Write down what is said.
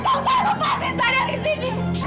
tidak keadaan tuas belakang